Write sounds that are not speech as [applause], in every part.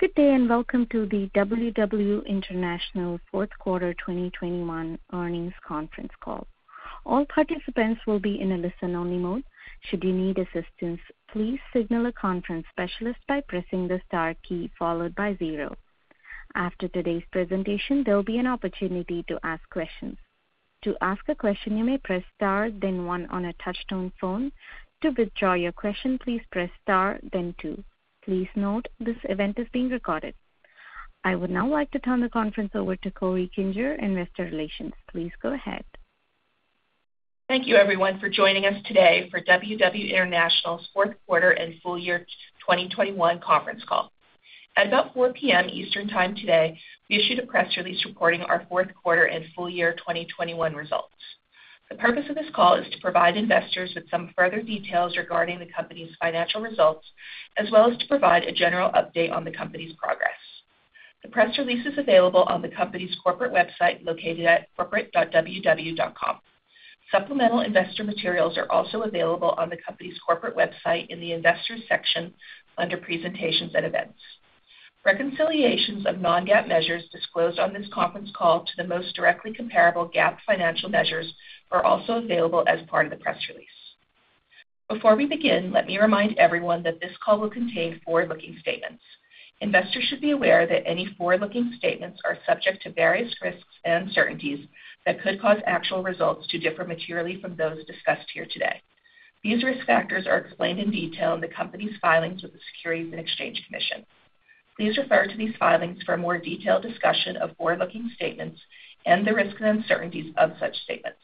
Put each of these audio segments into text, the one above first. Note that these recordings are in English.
Good day, and welcome to the WW International Fourth Quarter 2021 Earnings Conference Call. All participants will be in a listen-only mode. Should you need assistance, please signal a conference specialist by pressing the star key followed by zero. After today's presentation, there'll be an opportunity to ask questions. To ask a question, you may press star then one on a touch-tone phone. To withdraw your question, please press star then two. Please note this event is being recorded. I would now like to turn the conference over to Corey Kinger, Investor Relations. Please go ahead. Thank you everyone for joining us today for WW International's fourth quarter and full year 2021 conference call. At about 4:00 P.M. Eastern Time today, we issued a press release reporting our fourth quarter and full year 2021 results. The purpose of this call is to provide investors with some further details regarding the company's financial results, as well as to provide a general update on the company's progress. The press release is available on the company's corporate website, located at corporate.ww.com. Supplemental investor materials are also available on the company's corporate website in the Investors section under Presentations and Events. Reconciliations of non-GAAP measures disclosed on this conference call to the most directly comparable GAAP financial measures are also available as part of the press release. Before we begin, let me remind everyone that this call will contain forward-looking statements. Investors should be aware that any forward-looking statements are subject to various risks and uncertainties that could cause actual results to differ materially from those discussed here today. These risk factors are explained in detail in the company's filings with the Securities and Exchange Commission. Please refer to these filings for a more detailed discussion of forward-looking statements and the risks and uncertainties of such statements.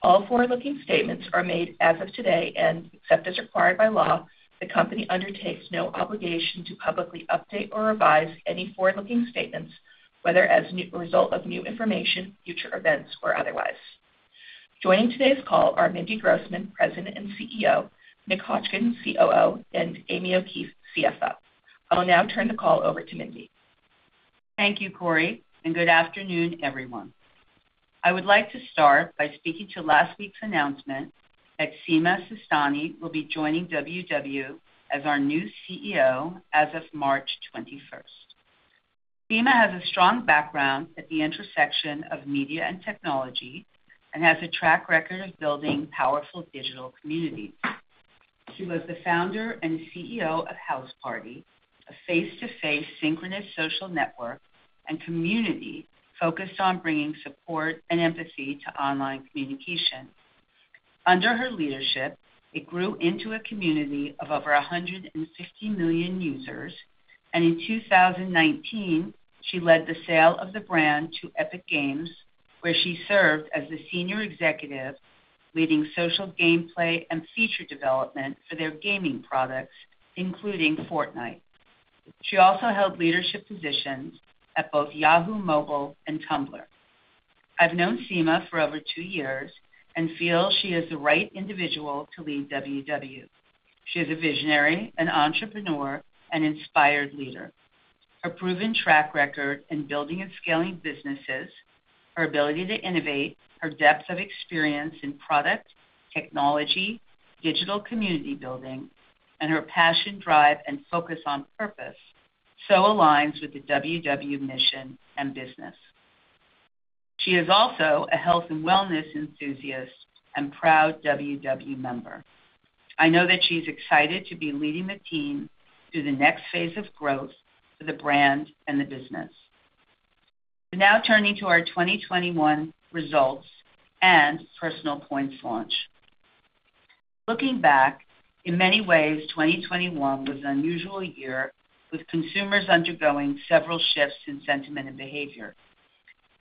All forward-looking statements are made as of today, and except as required by law, the company undertakes no obligation to publicly update or revise any forward-looking statements, whether as a result of new information, future events, or otherwise. Joining today's call are Mindy Grossman, President and CEO, Nick Hodgkin, COO, and Amy O'Keefe, CFO. I will now turn the call over to Mindy. Thank you, Corey, and good afternoon, everyone. I would like to start by speaking to last week's announcement that Sima Sistani will be joining WW as our new CEO as of March 21st. Sima has a strong background at the intersection of media and technology and has a track record of building powerful digital communities. She was the founder and CEO of Houseparty, a face-to-face synchronous social network and community focused on bringing support and empathy to online communication. Under her leadership, it grew into a community of over 150 million users, and in 2019, she led the sale of the brand to Epic Games, where she served as a senior executive, leading social gameplay and feature development for their gaming products, including Fortnite. She also held leadership positions at both Yahoo! Mobile and Tumblr. I've known Sima for over two years and feel she is the right individual to lead WW. She is a visionary, an entrepreneur, an inspired leader. Her proven track record in building and scaling businesses, her ability to innovate, her depth of experience in product, technology, digital community building, and her passion, drive, and focus on purpose so aligns with the WW mission and business. She is also a health and wellness enthusiast and proud WW member. I know that she's excited to be leading the team through the next phase of growth for the brand and the business. Now turning to our 2021 results and PersonalPoints launch. Looking back, in many ways, 2021 was an unusual year, with consumers undergoing several shifts in sentiment and behavior.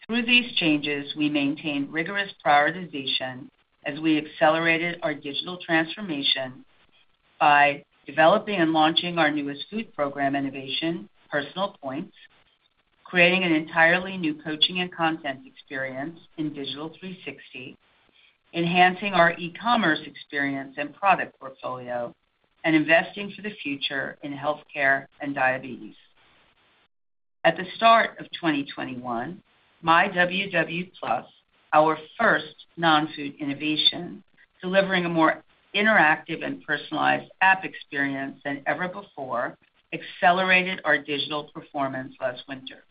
Through these changes, we maintained rigorous prioritization as we accelerated our digital transformation by developing and launching our newest food program innovation, PersonalPoints, creating an entirely new coaching and content experience in Digital 360, enhancing our e-commerce experience and product portfolio, and investing for the future in healthcare and diabetes. At the start of 2021, myWW+, our first non-food innovation, delivering a more interactive and personalized app experience than ever before, accelerated our digital performance last winter.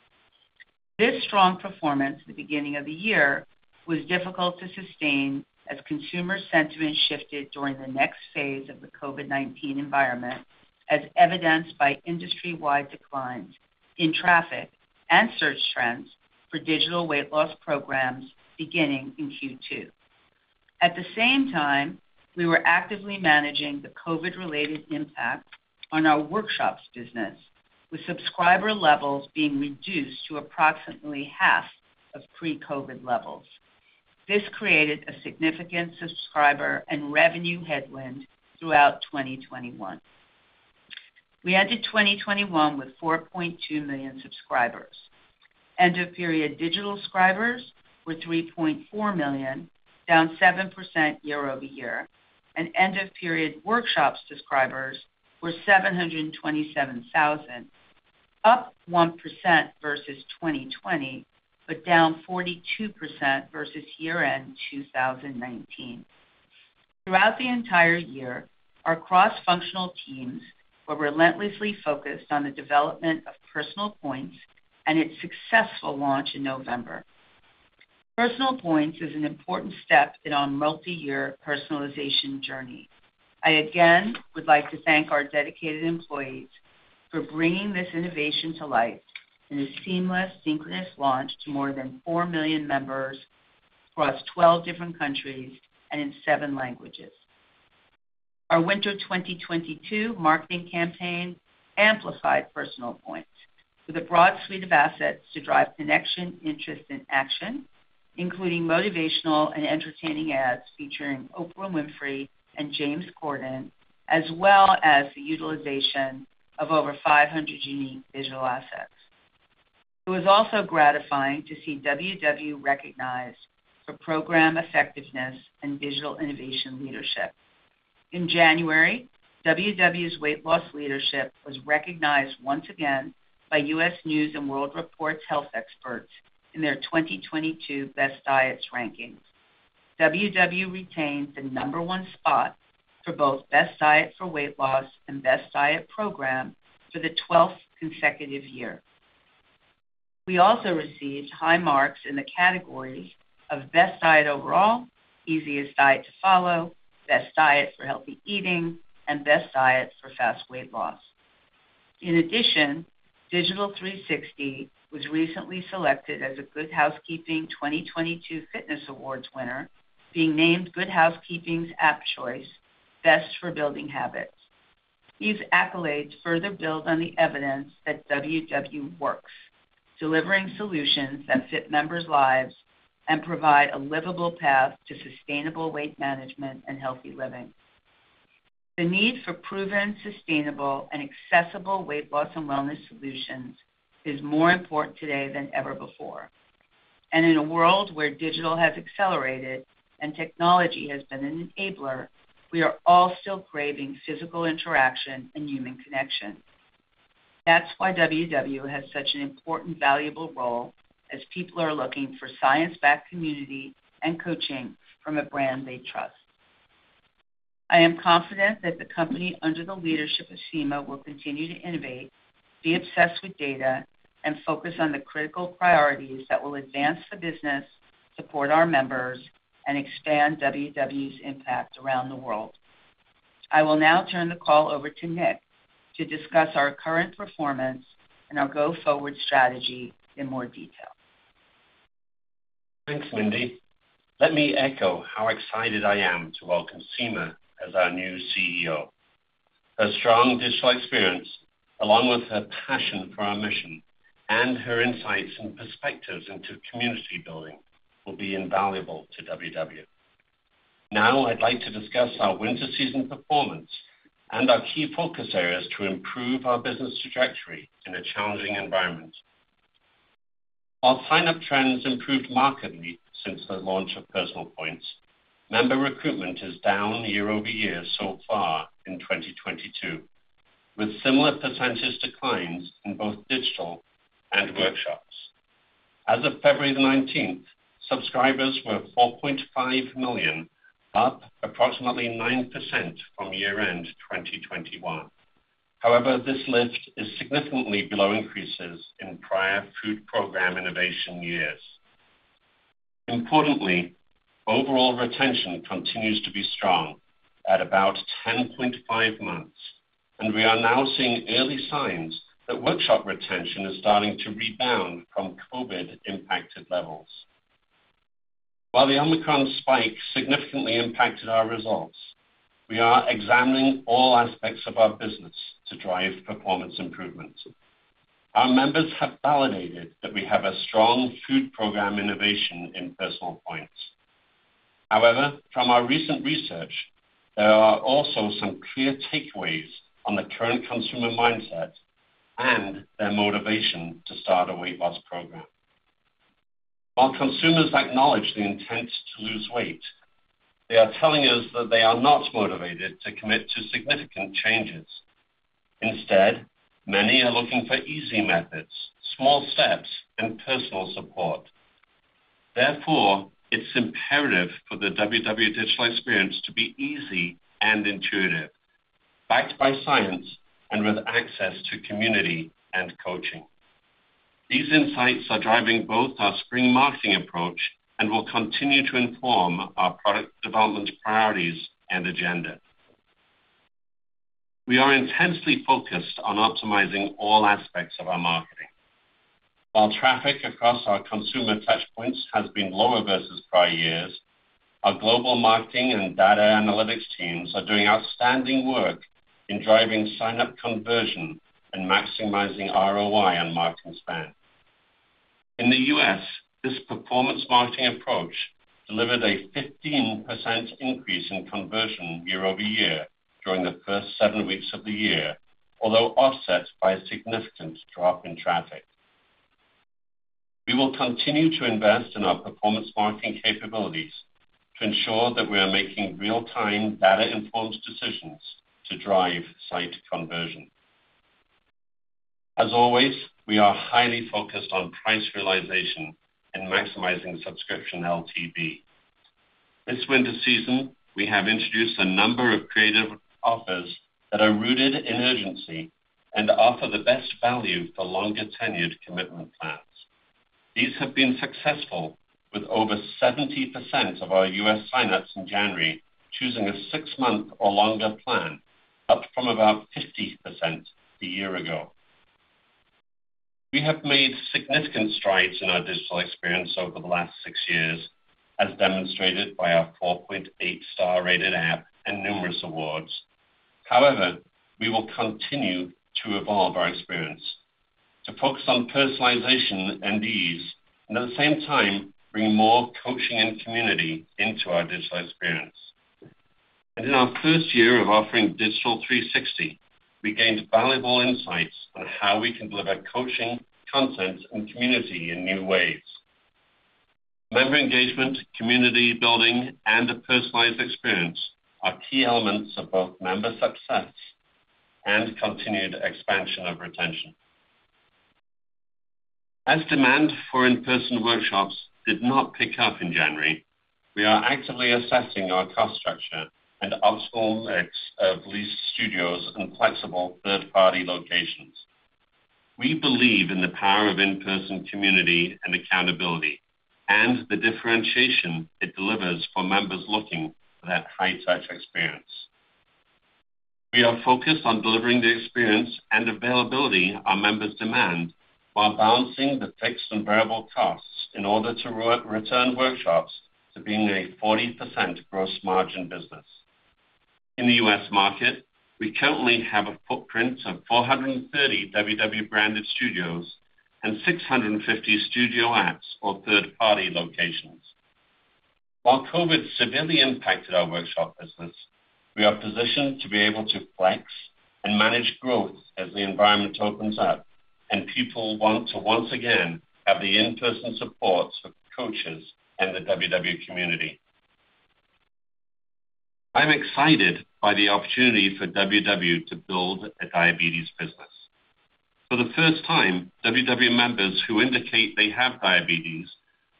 This strong performance at the beginning of the year was difficult to sustain as consumer sentiment shifted during the next phase of the COVID-19 environment, as evidenced by industry-wide declines in traffic and search trends for digital weight loss programs beginning in Q2. At the same time, we were actively managing the COVID-related impact on our workshops business, with subscriber levels being reduced to approximately half of pre-COVID levels. This created a significant subscriber and revenue headwind throughout 2021. We ended 2021 with 4.2 million subscribers. End-of-period digital subscribers were 3.4 million, down 7% year-over-year, and end-of-period workshops subscribers were 727,000, up 1% versus 2020, but down 42% versus year-end 2019. Throughout the entire year, our cross-functional teams were relentlessly focused on the development of PersonalPoints and its successful launch in November. PersonalPoints is an important step in our multi-year personalization journey. I again would like to thank our dedicated employees for bringing this innovation to life in a seamless, synchronous launch to more than 4 million members across 12 different countries and in seven languages. Our winter 2022 marketing campaign amplified PersonalPoints with a broad suite of assets to drive connection, interest, and action, including motivational and entertaining ads featuring Oprah Winfrey and James Corden, as well as the utilization of over 500 unique digital assets. It was also gratifying to see WW recognized for program effectiveness and digital innovation leadership. In January, WW's weight loss leadership was recognized once again by U.S. News & World Report's health experts in their 2022 Best Diets rankings. WW retained the number one spot for both Best Diet for Weight Loss and Best Diet Program for the 12th consecutive year. We also received high marks in the category of Best Diet Overall, Easiest Diet to Follow, Best Diet for Healthy Eating, and Best Diet for Fast Weight Loss. In addition, Digital 360 was recently selected as a Good Housekeeping 2022 Fitness Awards winner, being named Good Housekeeping's app choice, Best for Building Habits. These accolades further build on the evidence that WW works, delivering solutions that fit members' lives and provide a livable path to sustainable weight management and healthy living. The need for proven, sustainable, and accessible weight loss and wellness solutions is more important today than ever before. In a world where digital has accelerated and technology has been an enabler, we are all still craving physical interaction and human connection. That's why WW has such an important, valuable role as people are looking for science-backed community and coaching from a brand they trust. I am confident that the company, under the leadership of Sima, will continue to innovate, be obsessed with data, and focus on the critical priorities that will advance the business, support our members, and expand WW's impact around the world. I will now turn the call over to Nick to discuss our current performance and our go-forward strategy in more detail. Thanks, Mindy. Let me echo how excited I am to welcome Sima as our new CEO. Her strong digital experience, along with her passion for our mission and her insights and perspectives into community building, will be invaluable to WW. Now I'd like to discuss our winter season performance and our key focus areas to improve our business trajectory in a challenging environment. While sign-up trends improved markedly since the launch of PersonalPoints, member recruitment is down year-over-year so far in 2022, with similar percentage declines in both digital and workshops. As of February 19, subscribers were 4.5 million, up approximately 9% from year-end 2021. However, this lift is significantly below increases in prior food program innovation years. Importantly, overall retention continues to be strong at about 10.5 months, and we are now seeing early signs that workshop retention is starting to rebound from COVID-impacted levels. While the Omicron spike significantly impacted our results, we are examining all aspects of our business to drive performance improvements. Our members have validated that we have a strong food program innovation in PersonalPoints. However, from our recent research, there are also some clear takeaways on the current consumer mindset and their motivation to start a weight loss program. While consumers acknowledge the intent to lose weight, they are telling us that they are not motivated to commit to significant changes. Instead, many are looking for easy methods, small steps, and personal support. Therefore, it's imperative for the WW digital experience to be easy and intuitive, backed by science, and with access to community and coaching. These insights are driving both our spring marketing approach and will continue to inform our product development priorities and agenda. We are intensely focused on optimizing all aspects of our marketing. While traffic across our consumer touchpoints has been lower versus prior years, our global marketing and data analytics teams are doing outstanding work in driving sign-up conversion and maximizing ROI on marketing spend. In the U.S., this performance marketing approach delivered a 15% increase in conversion year over year during the first seven weeks of the year, although offset by a significant drop in traffic. We will continue to invest in our performance marketing capabilities to ensure that we are making real-time, data-informed decisions to drive site conversion. As always, we are highly focused on price realization and maximizing subscription LTV. This winter season, we have introduced a number of creative offers that are rooted in urgency and offer the best value for longer-tenured commitment plans. These have been successful with over 70% of our U.S. sign-ups in January, choosing a six-month or longer plan, up from about 50% a year ago. We have made significant strides in our digital experience over the last six years, as demonstrated by our 4.8 star-rated app and numerous awards. However, we will continue to evolve our experience to focus on personalization and ease, and at the same time, bring more coaching and community into our digital experience. In our first year of offering Digital 360, we gained valuable insights on how we can deliver coaching, content, and community in new ways. Member engagement, community building, and a personalized experience are key elements of both member success and continued expansion of retention. As demand for in-person workshops did not pick up in January, we are actively assessing our cost structure and optimal mix of leased studios and flexible third-party locations. We believe in the power of in-person community and accountability and the differentiation it delivers for members looking for that high touch experience. We are focused on delivering the experience and availability our members demand while balancing the fixed and variable costs in order to return workshops to being a 40% gross margin business. In the U.S. market, we currently have a footprint of 430 WW-branded studios and 650 studio apps or third-party locations. While COVID severely impacted our workshop business, we are positioned to be able to flex and manage growth as the environment opens up and people want to once again have the in-person supports of coaches and the WW community. I'm excited by the opportunity for WW to build a diabetes business. For the first time, WW members who indicate they have diabetes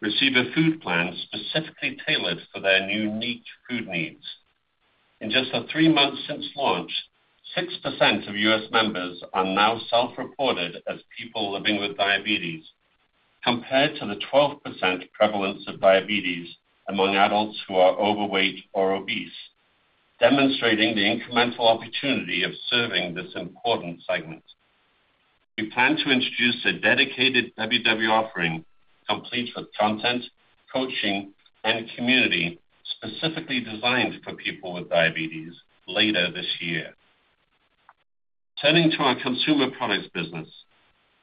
receive a food plan specifically tailored to their unique food needs. In just the three months since launch, 6% of U.S. members are now self-reported as people living with diabetes, compared to the 12% prevalence of diabetes among adults who are overweight or obese, demonstrating the incremental opportunity of serving this important segment. We plan to introduce a dedicated WW offering complete with content, coaching, and community specifically designed for people with diabetes later this year. Turning to our consumer products business,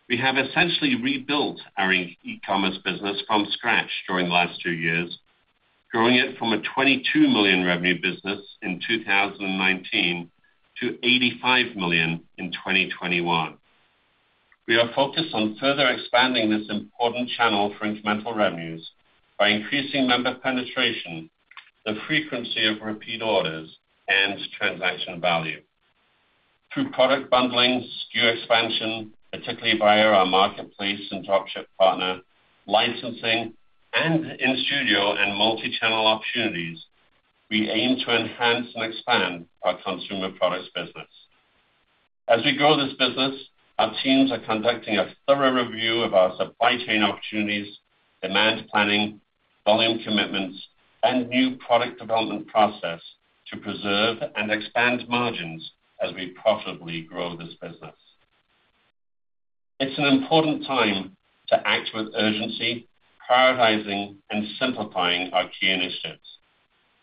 we have essentially rebuilt our e-commerce business from scratch during the last two years, growing it from a $22 million revenue business in 2019 to $85 million in 2021. We are focused on further expanding this important channel for incremental revenues by increasing member penetration, the frequency of repeat orders, and transaction value. Through product bundling, SKU expansion, particularly via our marketplace and dropship partner, licensing, and in-studio and multi-channel opportunities, we aim to enhance and expand our consumer products business. As we grow this business, our teams are conducting a thorough review of our supply chain opportunities, demand planning, volume commitments, and new product development process to preserve and expand margins as we profitably grow this business. It's an important time to act with urgency, prioritizing, and simplifying our key initiatives,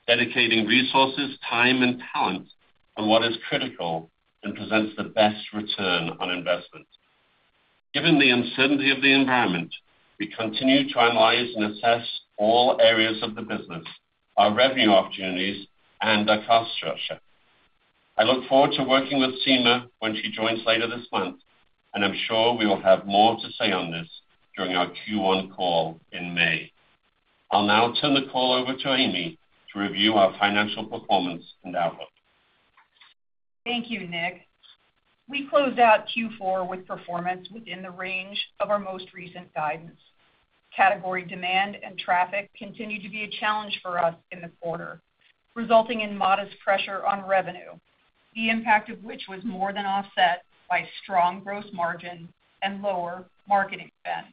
dedicating resources, time, and talent on what is critical and presents the best return on investment. Given the uncertainty of the environment, we continue to analyze and assess all areas of the business, our revenue opportunities, and our cost structure. I look forward to working with Sima when she joins later this month, and I'm sure we will have more to say on this during our Q1 call in May. I'll now turn the call over to Amy to review our financial performance and outlook. Thank you, Nick. We closed out Q4 with performance within the range of our most recent guidance. Category demand and traffic continued to be a challenge for us in the quarter, resulting in modest pressure on revenue, the impact of which was more than offset by strong gross margin and lower marketing spend.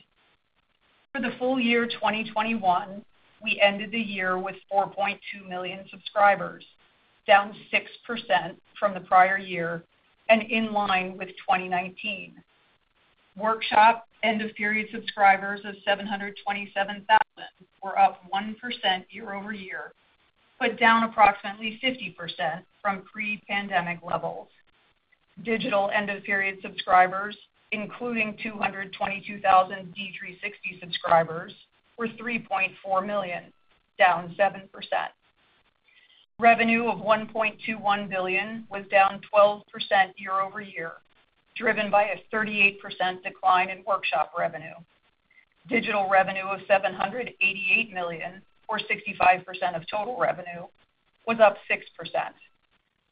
For the full year 2021, we ended the year with 4.2 million subscribers, down 6% from the prior year and in line with 2019. Workshop end-of-period subscribers of 727,000 were up 1% year over year, but down approximately 50% from pre-pandemic levels. Digital end-of-period subscribers, including 222,000 D360 subscribers, were 3.4 million, down 7%. Revenue of $1.21 billion was down 12% year-over-year, driven by a 38% decline in workshop revenue. Digital revenue of $788 million, or 65% of total revenue, was up 6%.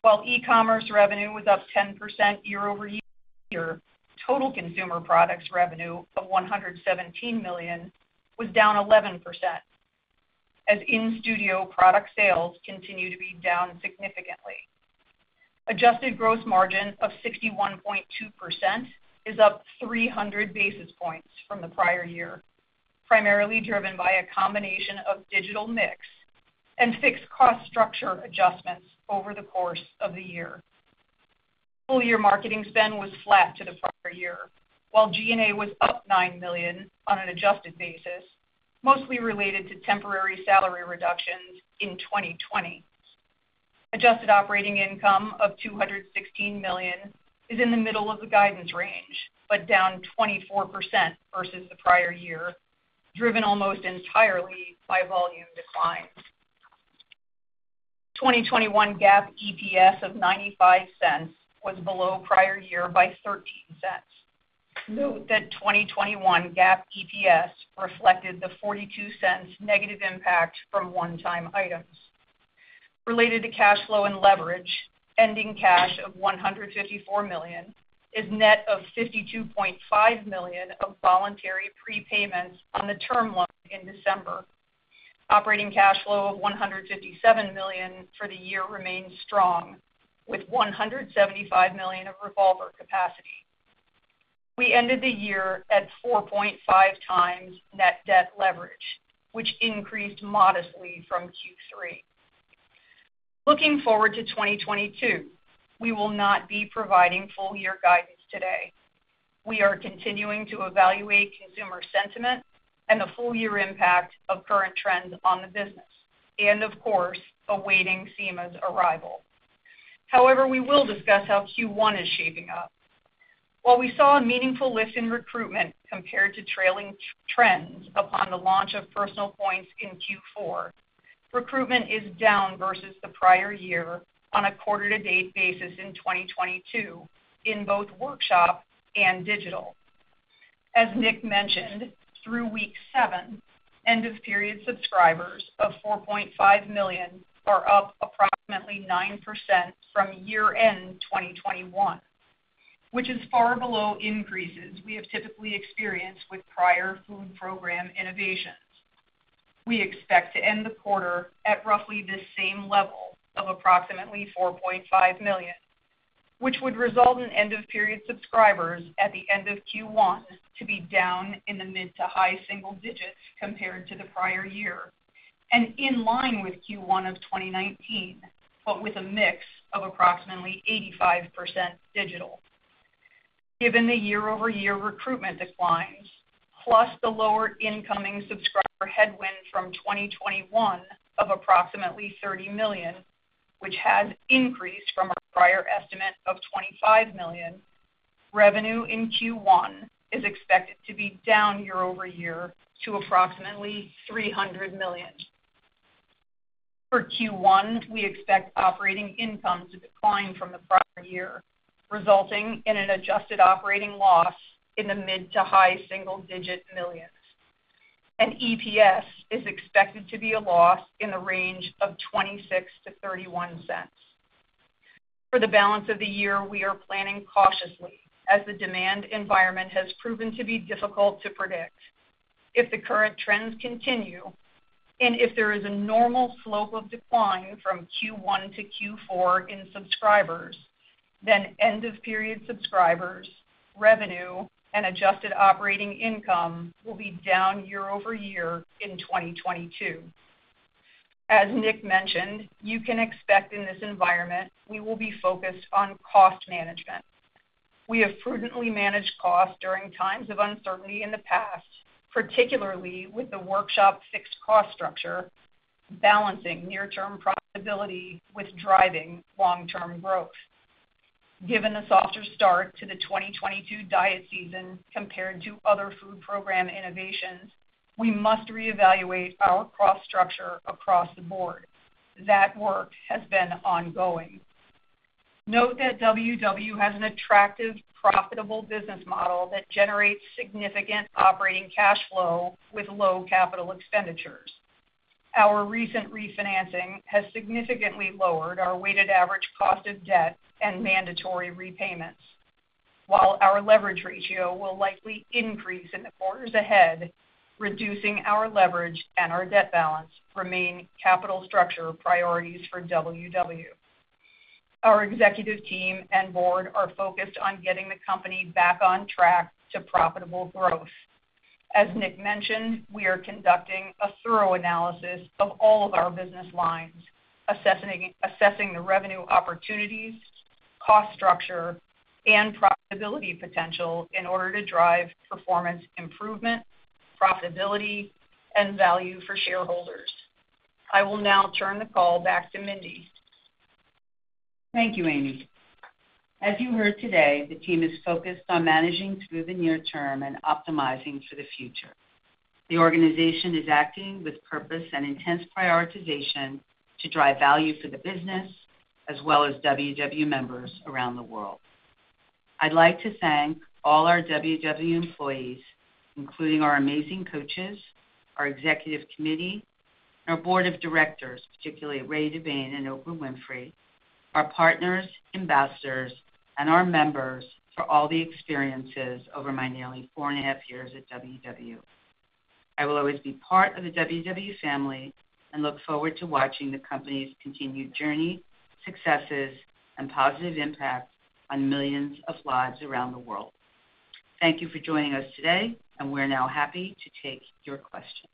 While e-commerce revenue was up 10% year-over-year, total consumer products revenue of $117 million was down 11% as in-studio product sales continue to be down significantly. Adjusted gross margin of 61.2% is up 300 basis points from the prior year, primarily driven by a combination of digital mix and fixed cost structure adjustments over the course of the year. Full year marketing spend was flat to the prior year, while G&A was up $9 million on an adjusted basis, mostly related to temporary salary reductions in 2020. Adjusted operating income of $216 million is in the middle of the guidance range, but down 24% versus the prior year, driven almost entirely by volume declines. 2021 GAAP EPS of $0.95 was below prior year by $0.13. Note that 2021 GAAP EPS reflected the $0.42 negative impact from one-time items. Related to cash flow and leverage, ending cash of $154 million is net of $52.5 million of voluntary prepayments on the term loan in December. Operating cash flow of $157 million for the year remains strong, with $175 million of revolver capacity. We ended the year at 4.5x net debt leverage, which increased modestly from Q3. Looking forward to 2022, we will not be providing full year guidance today. We are continuing to evaluate consumer sentiment and the full year impact of current trends on the business and, of course, awaiting Sima's arrival. However, we will discuss how Q1 is shaping up. While we saw a meaningful lift in recruitment compared to trailing trends upon the launch of PersonalPoints in Q4, recruitment is down versus the prior year on a quarter to date basis in 2022 in both workshop and digital. As Nick mentioned, through week seven, end of period subscribers of 4.5 million are up approximately 9% from year-end 2021, which is far below increases we have typically experienced with prior food program innovations. We expect to end the quarter at roughly the same level of approximately 4.5 million, which would result in end of period subscribers at the end of Q1 to be down in the mid to high-single-digits compared to the prior year and in line with Q1 of 2019, but with a mix of approximately 85% digital. Given the year-over-year recruitment declines, plus the lower incoming subscriber headwind from 2021 of approximately $30 million, which has increased from our prior estimate of $25 million, revenue in Q1 is expected to be down year-over-year to approximately $300 million. For Q1, we expect operating income to decline from the prior year, resulting in an adjusted operating loss in the mid to high-single-digit millions. EPS is expected to be a loss in the range of $0.26-$0.31. For the balance of the year, we are planning cautiously as the demand environment has proven to be difficult to predict. If the current trends continue, and if there is a normal slope of decline from Q1 to Q4 in subscribers, then end of period subscribers, revenue, and adjusted operating income will be down year-over-year in 2022. As Nick mentioned, you can expect in this environment, we will be focused on cost management. We have prudently managed costs during times of uncertainty in the past, particularly with the workshop fixed cost structure, balancing near term profitability with driving long-term growth. Given the softer start to the 2022 diet season compared to other food program innovations, we must reevaluate our cost structure across the board. That work has been ongoing. Note that WW has an attractive, profitable business model that generates significant operating cash flow with low capital expenditures. Our recent refinancing has significantly lowered our weighted average cost of debt and mandatory repayments. While our leverage ratio will likely increase in the quarters ahead, reducing our leverage and our debt balance remain capital structure priorities for WW. Our executive team and board are focused on getting the company back on track to profitable growth. As Nick mentioned, we are conducting a thorough analysis of all of our business lines, assessing the revenue opportunities, cost structure, and profitability potential in order to drive performance improvement, profitability, and value for shareholders. I will now turn the call back to Mindy. Thank you, Amy. As you heard today, the team is focused on managing through the near term and optimizing for the future. The organization is acting with purpose and intense prioritization to drive value for the business as well as WW members around the world. I'd like to thank all our WW employees, including our amazing coaches, our executive committee, and our board of directors, particularly Ray Dalio and Oprah Winfrey, our partners, ambassadors, and our members for all the experiences over my nearly four and a half years at WW. I will always be part of the WW family and look forward to watching the company's continued journey, successes, and positive impact on millions of lives around the world. Thank you for joining us today, and we're now happy to take your questions.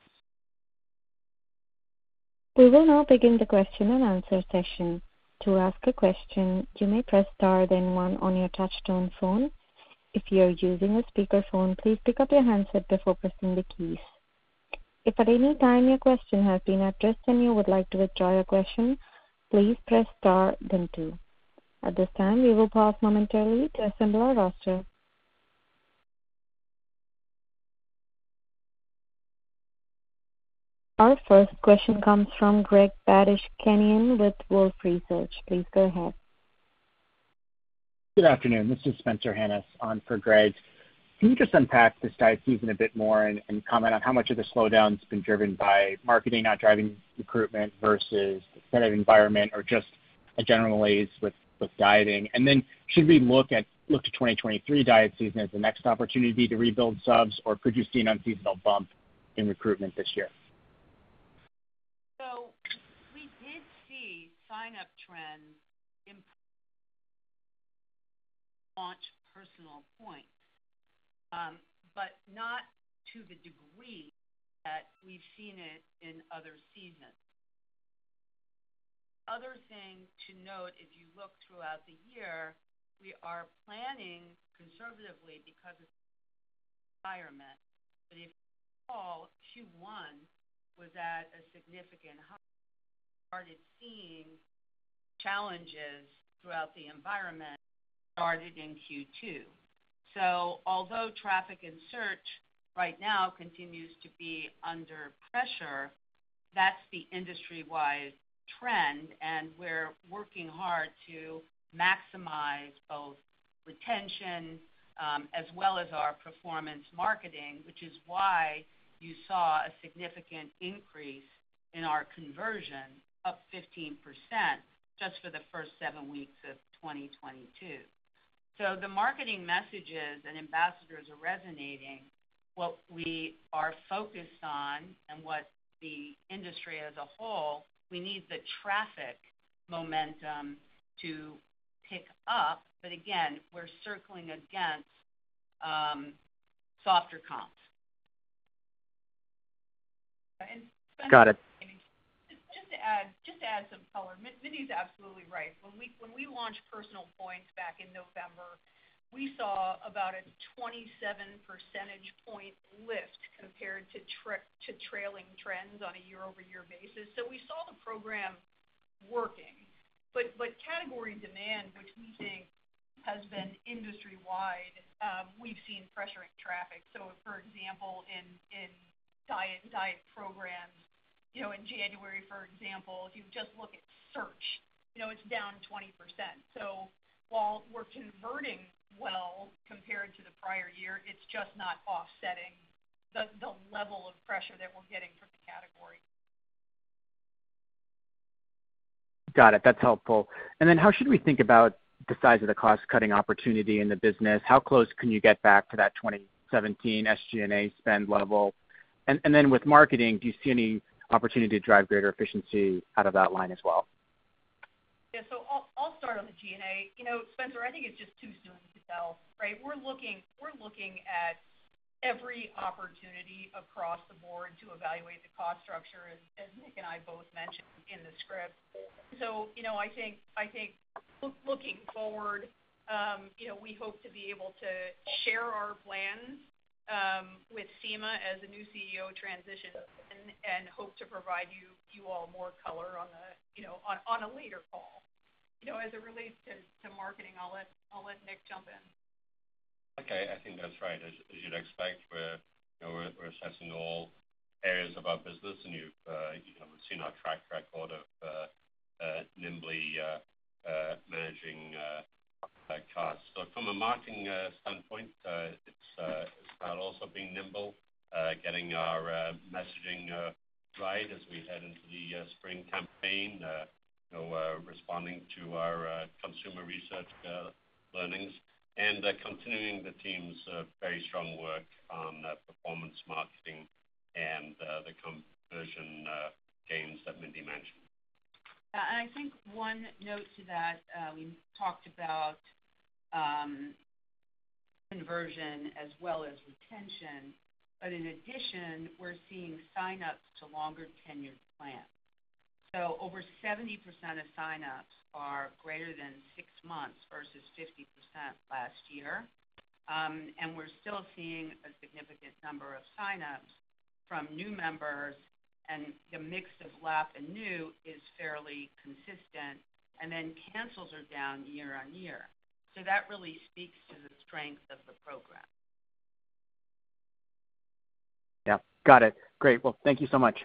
We will now begin the question and answer session. To ask a question, you may press Star-Then One on your touchtone phone. If you are using a speakerphone, please pick up your handset before pressing the keys. If at any time your question has been addressed and you would like to withdraw your question, please press Star-Then Two. At this time, we will pause momentarily to assemble our roster. Our first question comes from Greg Badishkanian with Wolfe Research. Please go ahead. Good afternoon. This is Spencer Hanus on for Greg. Can you just unpack this diet season a bit more and comment on how much of the slowdown has been driven by marketing, not driving recruitment versus the current environment or just a general ease with dieting? Then should we look to 2023 diet season as the next opportunity to rebuild subs, or could you see an unseasonal bump in recruitment this year? We did see sign-up trends improve upon launch of PersonalPoints, but not to the degree that we've seen it in other seasons. Other thing to note, if you look throughout the year, we are planning conservatively because of the environment. If you recall, Q1 was at a significant high. We started seeing challenges throughout the environment in Q2. Although traffic and search right now continues to be under pressure, that's the industry-wide trend, and we're working hard to maximize both retention as well as our performance marketing, which is why you saw a significant increase in our conversion, up 15% just for the first seven weeks of 2022. The marketing messages and ambassadors are resonating. What we are focused on and what the industry as a whole needs is the traffic momentum to pick up. We're circling against softer comps. Got it. Just to add some color, Mindy is absolutely right. When we launched PersonalPoints back in November, we saw about a 27 percentage point lift compared to trailing trends on a year-over-year basis. We saw the program working. Category demand, which we think has been industry-wide, we've seen pressure in traffic. For example, in diet programs, you know, in January, for example, if you just look at search, you know, it's down 20%. While we're converting well compared to the prior year, it's just not offsetting the level of pressure that we're getting from the category. Got it. That's helpful. How should we think about the size of the cost-cutting opportunity in the business? How close can you get back to that 2017 SG&A spend level? With marketing, do you see any opportunity to drive greater efficiency out of that line as well? Yeah. I'll start on the G&A. You know, Spencer, I think it's just too soon to tell, right? We're looking at every opportunity across the board to evaluate the cost structure, as Nick and I both mentioned in the script. You know, I think looking forward, we hope to be able to share our plans with Sima as the new CEO transitions and hope to provide you all more color on the, you know, on a later call. You know, as it relates to marketing, I'll let Nick jump in. Okay. I think that's right. As you'd expect, we're assessing all areas of our business, and you have seen our track record of nimbly managing costs. From a marketing standpoint, it's about also being nimble, getting our messaging right as we head into the spring campaign, you know, responding to our consumer research learnings and continuing the team's very strong work on performance marketing and the conversion gains that Mindy mentioned. I think one note to that, we talked about conversion as well as retention. In addition, we're seeing sign-ups to longer tenure plans. Over 70% of sign-ups are greater than six months versus 50% last year. We're still seeing a significant number of sign-ups from new members, and the mix of lapsed and new is fairly consistent, and then cancels are down year-over-year. That really speaks to the strength of the program. Yeah. Got it. Great. Well, thank you so much.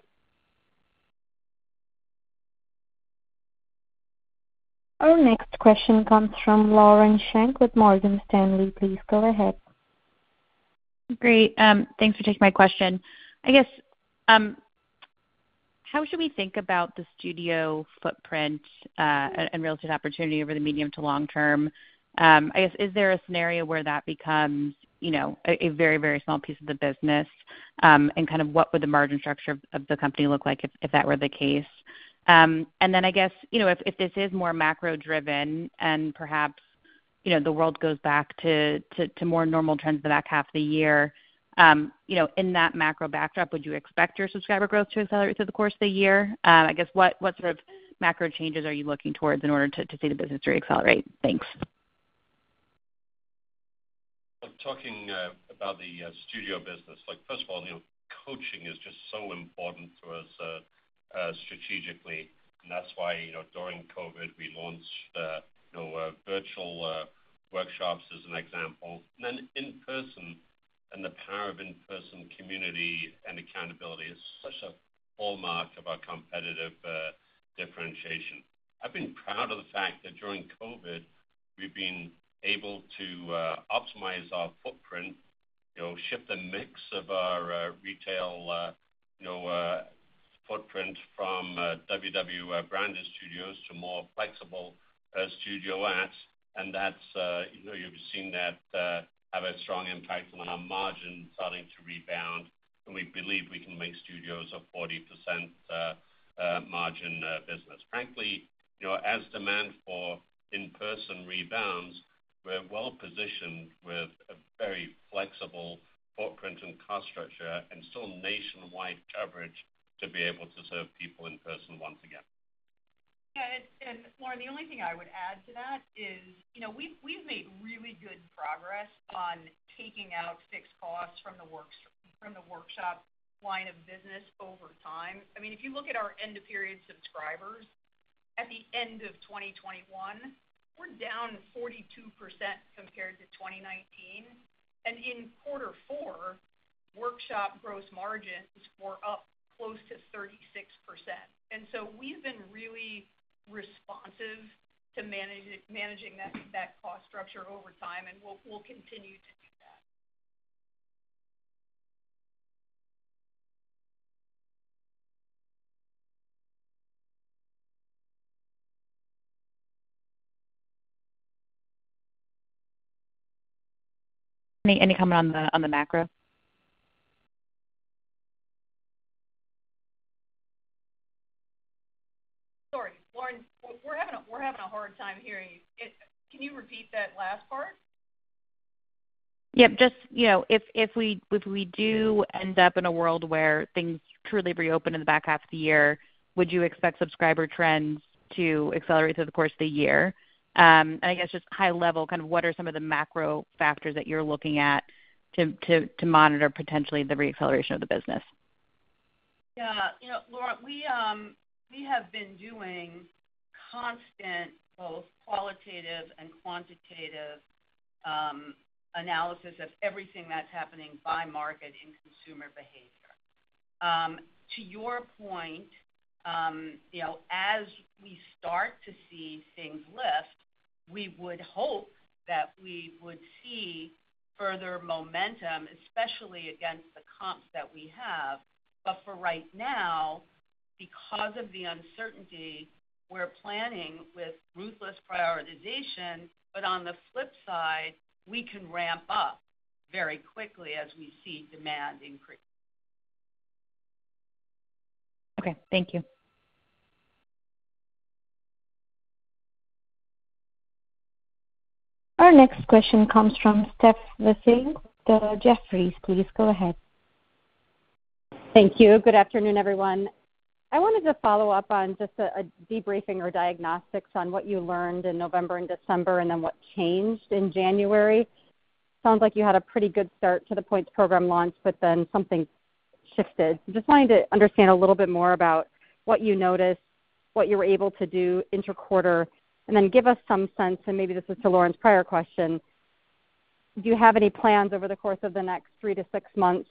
Our next question comes from Lauren Schenk with Morgan Stanley. Please go ahead. Great. Thanks for taking my question. I guess, how should we think about the studio footprint, and relative opportunity over the medium to long term? I guess, is there a scenario where that becomes, you know, a very, very small piece of the business? And kind of what would the margin structure of the company look like if that were the case? And then I guess, you know, if this is more macro-driven and perhaps, you know, the world goes back to more normal trends the back half of the year, you know, in that macro backdrop, would you expect your subscriber growth to accelerate through the course of the year? I guess what sort of macro changes are you looking towards in order to see the business re-accelerate? Thanks. Talking about the studio business, like first of all, you know, coaching is just so important to us strategically, and that's why, you know, during COVID we launched you know, virtual workshops as an example. Then in-person and the power of in-person community and accountability is such a hallmark of our competitive differentiation. I've been proud of the fact that during COVID we've been able to optimize our footprint, you know, shift the mix of our retail, you know, footprint from WW branded studios to more flexible studio adds. That's you know, you've seen that have a strong impact on our margin starting to rebound, and we believe we can make studios a 40% margin business. Frankly, you know, as demand for in-person rebounds, we're well positioned with a very flexible footprint and cost structure and still nationwide coverage to be able to serve people in person once again. Yeah. Lauren, the only thing I would add to that is, you know, we've made really good progress on taking out fixed costs from the workshop line of business over time. I mean, if you look at our end of period subscribers at the end of 2021, we're down 42% compared to 2019. In quarter four, workshop gross margins were up close to 36%. We've been really responsive to managing that cost structure over time, and we'll continue to do that. Any comment on the macro? Sorry, Lauren, we're having a hard time hearing you. Can you repeat that last part? Yep. Just, you know, if we do end up in a world where things truly reopen in the back half of the year, would you expect subscriber trends to accelerate through the course of the year? I guess just high level, kind of what are some of the macro factors that you're looking at to monitor potentially the re-acceleration of the business? Yeah. You know, Lauren, we have been doing constant, both qualitative and quantitative, analysis of everything that's happening by market and consumer behavior. To your point, you know, as we start to see things lift, we would hope that we would see further momentum, especially against the comps that we have. For right now, because of the uncertainty, we're planning with ruthless prioritization. On the flip side, we can ramp up very quickly as we see demand increase. Okay. Thank you. Our next question comes from Steph Wissink with Jefferies. Please go ahead. Thank you. Good afternoon, everyone. I wanted to follow up on just a debriefing or diagnostics on what you learned in November and December and then what changed in January. Sounds like you had a pretty good start to the points program launch, but then something shifted. Just wanting to understand a little bit more about what you noticed, what you were able to do inter-quarter, and then give us some sense, and maybe this is to Lauren's prior question, do you have any plans over the course of the next three to six months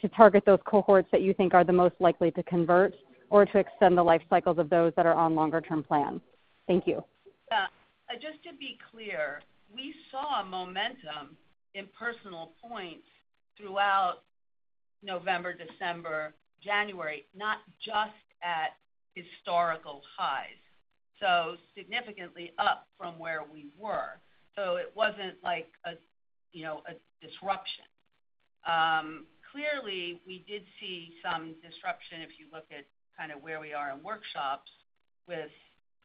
to target those cohorts that you think are the most likely to convert or to extend the life cycles of those that are on longer term plans? Thank you. Just to be clear, we saw momentum in PersonalPoints throughout November, December, January, not just at historical highs, so significantly up from where we were. It wasn't like a, you know, a disruption. Clearly, we did see some disruption, if you look at kinda where we are in workshops with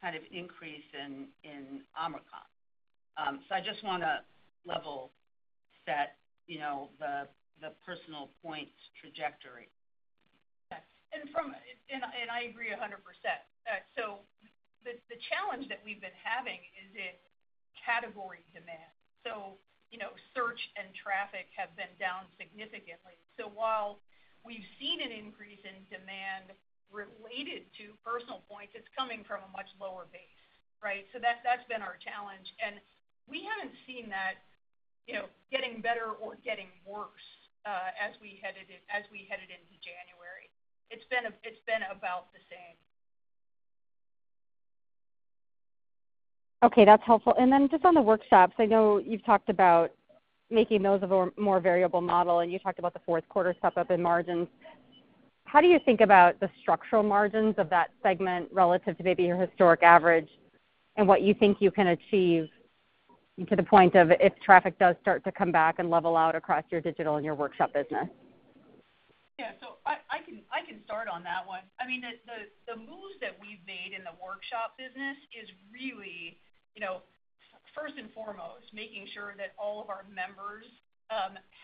kind of increase in Omicron. I just wanna level set, you know, the PersonalPoints trajectory. I agree 100%. So the challenge that we've been having is in category demand. You know, search and traffic have been down significantly. So while we've seen an increase in demand related to PersonalPoints, it's coming from a much lower base. Right? So that's been our challenge, and we haven't seen that getting better or getting worse as we headed into January. It's been about the same. Okay. That's helpful. Just on the workshops, I know you've talked about making those of a more variable model, and you talked about the fourth quarter step up in margins. How do you think about the structural margins of that segment relative to maybe your historic average and what you think you can achieve to the point of if traffic does start to come back and level out across your digital and your workshop business? Yeah. I can start on that one. I mean, the moves that we've made in the workshop business is really, you know, first and foremost, making sure that all of our members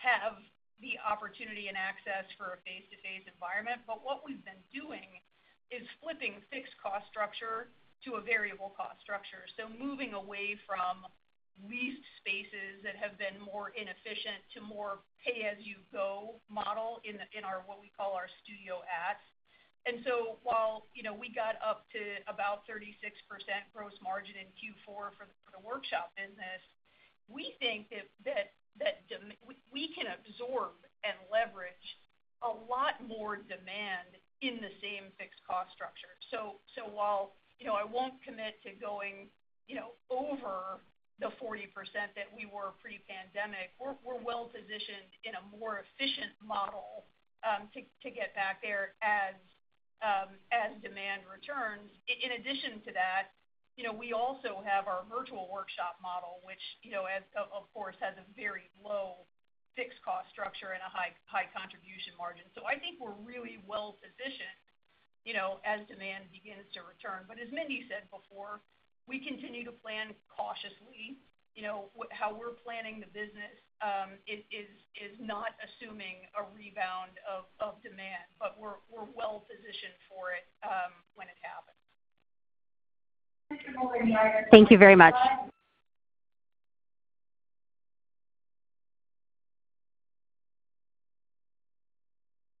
have the opportunity and access for a face-to-face environment. What we've been doing is flipping fixed cost structure to a variable cost structure. Moving away from leased spaces that have been more inefficient to more pay-as-you-go model in our what we call our studios. While, you know, we got up to about 36% gross margin in Q4 for the workshop business, we think that we can absorb and leverage a lot more demand in the same fixed cost structure. While, you know, I won't commit to going, you know, over the 40% that we were pre-pandemic, we're well positioned in a more efficient model to get back there as demand returns. In addition to that, you know, we also have our virtual workshop model, which, you know, has of course a very low fixed cost structure and a high contribution margin. I think we're really well positioned, you know, as demand begins to return. As Mindy said before, we continue to plan cautiously. You know, how we're planning the business is not assuming a rebound of demand, but we're well positioned for. [audio distortion] Thank you very much.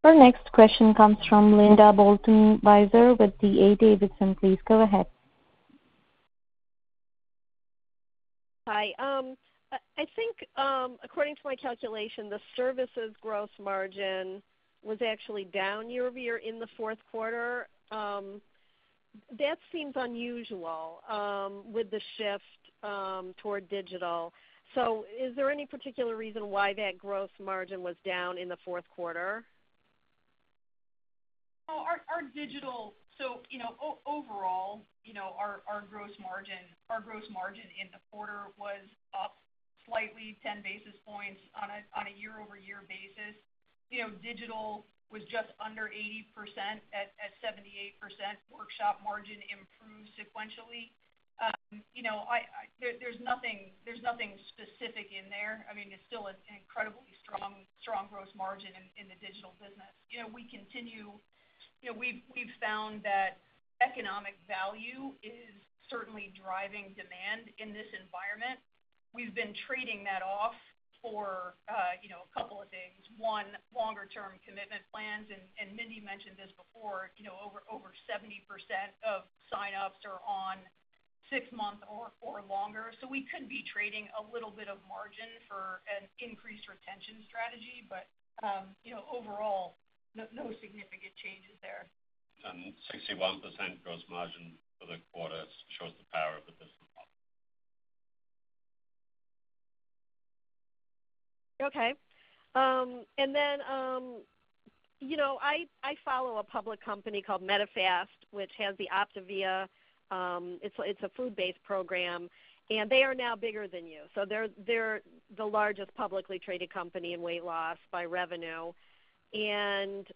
Our next question comes from Linda Bolton Weiser with D.A. Davidson. Please go ahead. Hi. I think according to my calculation, the services gross margin was actually down year-over-year in the fourth quarter. That seems unusual with the shift toward digital. Is there any particular reason why that gross margin was down in the fourth quarter? Overall, you know, our gross margin in the quarter was up slightly 10 basis points on a year-over-year basis. You know, digital was just under 80% at 78%. Workshop margin improved sequentially. You know, there's nothing specific in there. I mean, it's still an incredibly strong gross margin in the digital business. You know, we've found that economic value is certainly driving demand in this environment. We've been trading that off for a couple of things. One, longer term commitment plans, and Mindy mentioned this before, you know, over 70% of signups are on six months or longer. We could be trading a little bit of margin for an increased retention strategy. You know, overall, no significant changes there. 61% gross margin for the quarter shows the power of the. [audio distortion] Okay. You know, I follow a public company called Medifast, which has the OPTAVIA. It's a food-based program, and they are now bigger than you. They're the largest publicly traded company in weight loss by revenue, and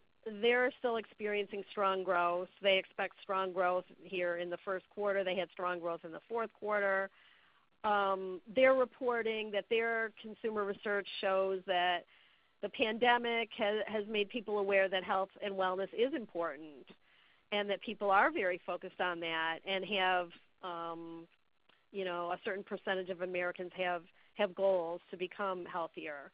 they're still experiencing strong growth. They expect strong growth here in the first quarter. They had strong growth in the fourth quarter. They're reporting that their consumer research shows that the pandemic has made people aware that health and wellness is important, and that people are very focused on that and have, you know, a certain percentage of Americans have goals to become healthier.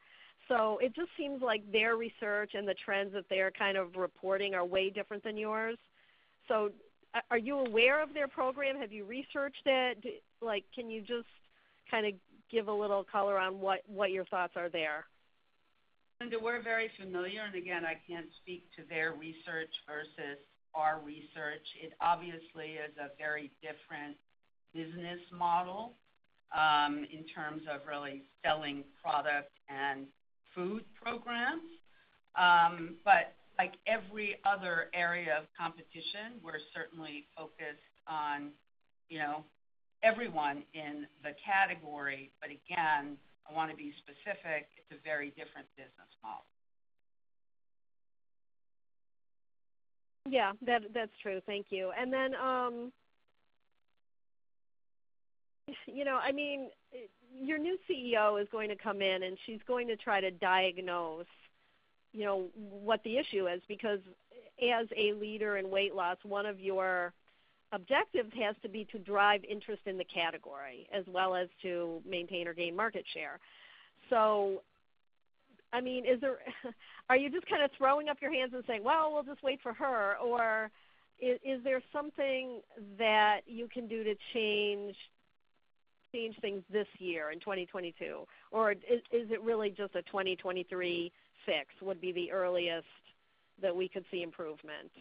It just seems like their research and the trends that they're kind of reporting are way different than yours. Are you aware of their program? Have you researched it? Like, can you just kinda give a little color on what your thoughts are there? Linda, we're very familiar, and again, I can't speak to their research versus our research. It obviously is a very different business model in terms of really selling product and food programs. Like every other area of competition, we're certainly focused on, you know, everyone in the category. Again, I wanna be specific, it's a very different business model. Yeah. That's true. Thank you. You know, I mean, your new CEO is going to come in, and she's going to try to diagnose, you know, what the issue is because, as a leader in weight loss, one of your objectives has to be to drive interest in the category as well as to maintain or gain market share. I mean, are you just kinda throwing up your hands and saying, "Well, we'll just wait for her?" Or is there something that you can do to change things this year in 2022? Or is it really just a 2023 fix would be the earliest that we could see improvement?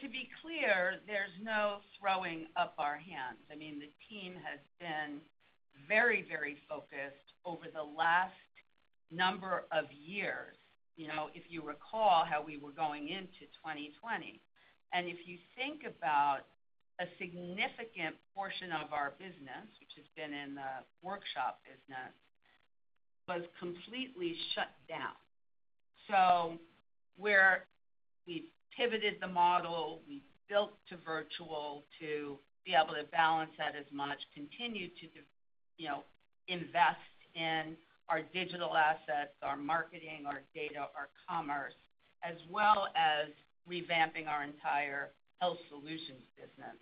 To be clear, there's no throwing up our hands. I mean, the team has been very, very focused over the last number of years. You know, if you recall how we were going into 2020, and if you think about a significant portion of our business, which has been in the workshop business, was completely shut down. Where we pivoted the model, we built to virtual to be able to balance that as much, continued to, you know, invest in our digital assets, our marketing, our data, our commerce, as well as revamping our entire health solutions business.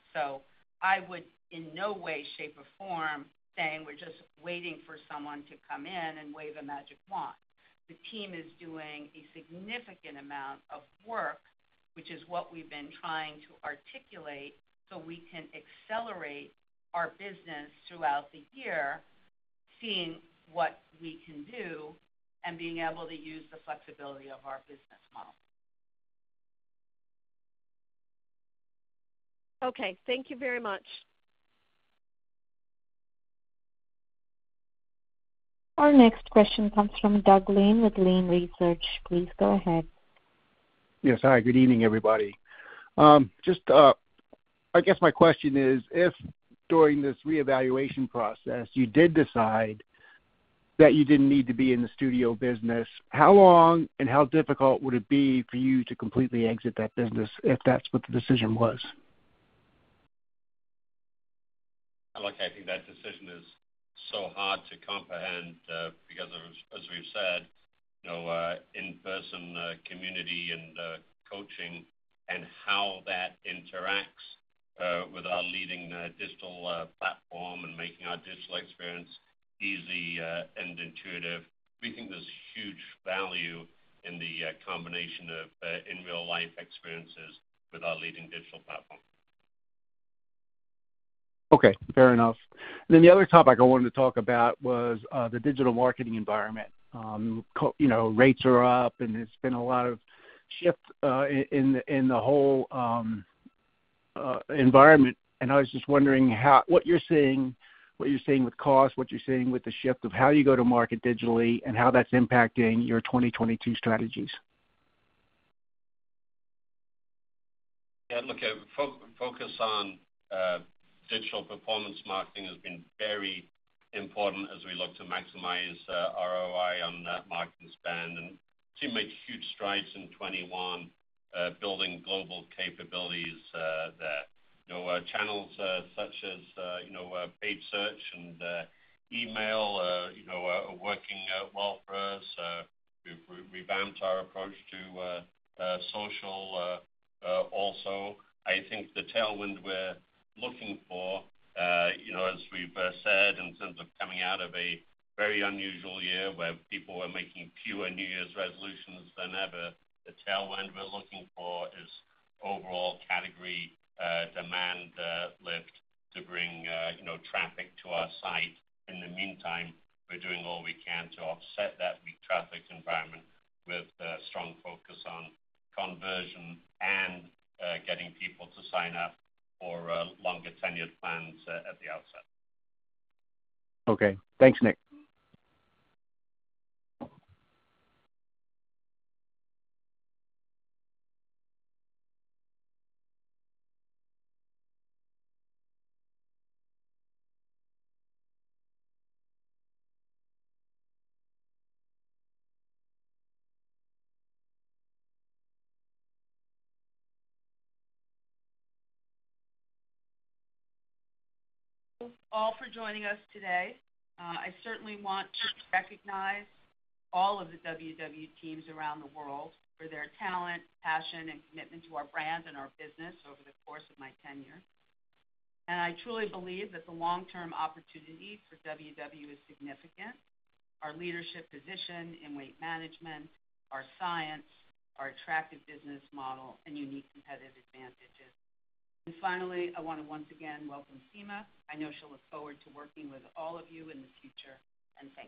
I would in no way, shape, or form saying we're just waiting for someone to come in and wave a magic wand. The team is doing a significant amount of work, which is what we've been trying to articulate, so we can accelerate our business throughout the year, seeing what we can do and being able to use the flexibility of our business model. Okay. Thank you very much. Our next question comes from Doug Lane with Lane Research. Please go ahead. Yes. Hi, good evening, everybody. Just, I guess my question is, if during this reevaluation process you did decide that you didn't need to be in the studio business, how long and how difficult would it be for you to completely exit that business, if that's what the decision was? Look, I think that decision is so hard to comprehend, because as we've said, you know, in-person community and coaching and how that interacts with our leading digital platform and making our digital experience easy and intuitive. We think there's huge value in the combination of in real life experiences with our leading digital platform. Okay, fair enough. The other topic I wanted to talk about was the digital marketing environment. You know, rates are up, and there's been a lot of shift in the whole environment. I was just wondering how what you're seeing with cost, what you're seeing with the shift of how you go to market digitally and how that's impacting your 2022 strategies. Yeah, look, focus on digital performance marketing has been very important as we look to maximize ROI on that marketing spend. The team made huge strides in 2021 building global capabilities there. You know, channels such as, you know, paid search and email, you know, are working out well for us. We revamped our approach to social also. I think the tailwind we're looking for, you know, as we've said, in terms of coming out of a very unusual year where people were making fewer New Year's resolutions than ever, the tailwind we're looking for is overall category demand lift to bring, you know, traffic to our site. In the meantime, we're doing all we can to offset that weak traffic environment with a strong focus on conversion and getting people to sign up for longer tenured plans at the outset. Okay. Thanks, Nick. All for joining us today. I certainly want to recognize all of the WW teams around the world for their talent, passion, and commitment to our brand and our business over the course of my tenure. I truly believe that the long-term opportunity for WW is significant. Our leadership position in weight management, our science, our attractive business model, and unique competitive advantages. Finally, I wanna once again welcome Sima. I know she'll look forward to working with all of you in the future. And Thanks.